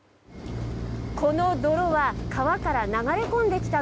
この泥は川から流れ込んできた